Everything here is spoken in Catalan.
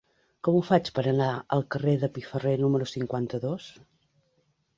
Com ho faig per anar al carrer de Piferrer número cinquanta-dos?